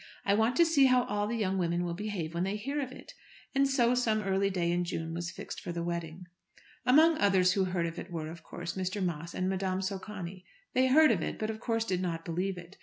I want to see how all the young women will behave when they hear of it." And so some early day in June was fixed for the wedding. Among others who heard of it were, of course, Mr. Moss and Madame Socani. They heard of it, but of course did not believe it.